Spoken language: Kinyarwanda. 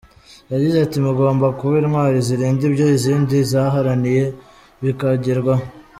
Yagize ati ‘‘Mugomba kuba intwari zirinda ibyo izindi zaharaniye bikagerwaho.